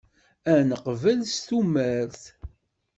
Ad neqbel s tumert.